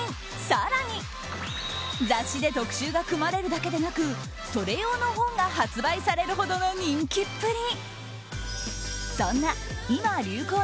更に雑誌で特集が組まれるだけでなくそれ用の本が発売されるほどの人気っぷり。